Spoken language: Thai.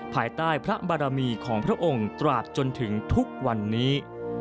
ภายใต้พระบารมีของพระองค์ตราบจนถึงทุกวันนี้